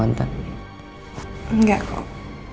mantan nggak kok